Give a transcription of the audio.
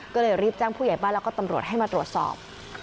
ก็เลยรีบแจ้งผู้ใหญ่บ้านแล้วก็ตำรวจให้มาตรวจสอบ